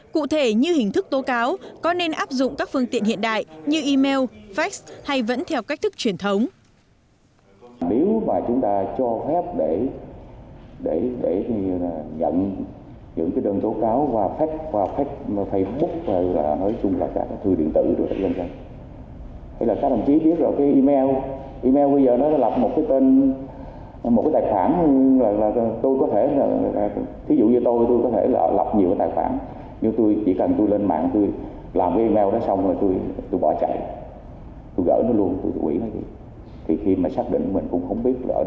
cụ thể như hình thức tố cáo có nên áp dụng các phương tiện hiện đại như email fax hay vẫn theo cách thức truyền thống